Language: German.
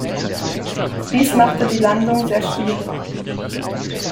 Dies machte die Landung sehr schwierig.